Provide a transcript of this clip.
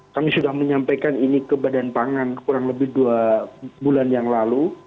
kami sudah menyampaikan ini ke badan pangan kurang lebih dua bulan yang lalu